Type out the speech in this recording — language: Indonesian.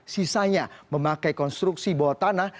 sisanya memakai konstruksi bawah tanah